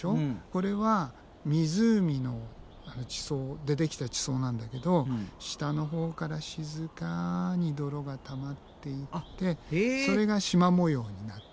これは湖でできた地層なんだけど下のほうから静かに泥がたまっていってそれがしま模様になってるのね。